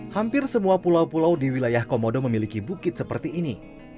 hampir semua pulau pulau di wilayah komodo memiliki bukit seperti ini